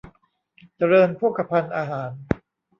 เจริญโภคภัณฑ์อาหาร